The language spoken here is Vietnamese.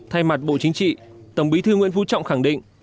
thay mặt bộ chính trị tổng bí thư nguyễn phú trọng khẳng định